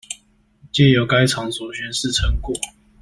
藉由該場所宣示成果